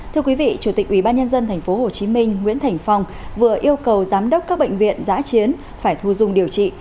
thưa quý vị chủ tịch ubnd tp hcm nguyễn thành phong vừa yêu cầu giám đốc các bệnh viện giã chiến phải thu dung điều trị